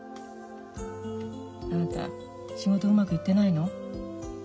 あなた仕事うまくいってないの？